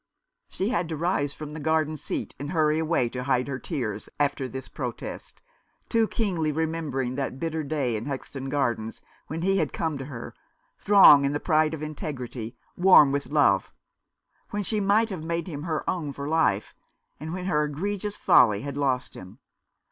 She had to rise from the garden seat and hurry away to hide her tears after this protest, too keenly remembering that bitter day in Hexton Gardens when he had come to her, strong in the pride of integrity, warm with love ; when she might have made him her own for life ; and when her egregious folly had lost him.